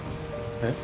えっ？